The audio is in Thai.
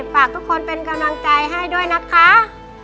ฝากทุกคนเป็นกำลังใจให้ด้วยนะคะ